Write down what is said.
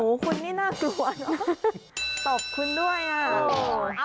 หนูคนนี่น่ากลัวนะ